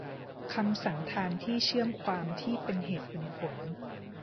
คำสันธานที่เชื่อมความที่เป็นเหตุเป็นผล